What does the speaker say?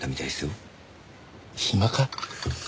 暇か？